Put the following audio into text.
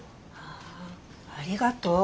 あありがとう。